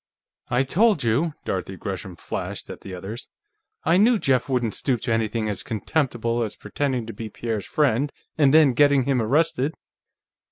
"I told you," Dorothy Gresham flashed at the others. "I knew Jeff wouldn't stoop to anything as contemptible as pretending to be Pierre's friend and then getting him arrested!"